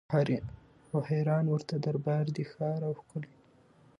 او حیران ورته دربار دی ښار او کلی